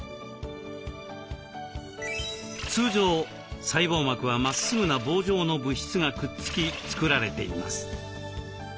通常細胞膜はまっすぐな棒状の物質がくっつき作られています。